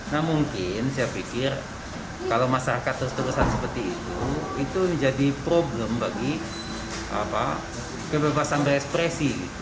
nah mungkin saya pikir kalau masyarakat terus terusan seperti itu itu menjadi problem bagi kebebasan berekspresi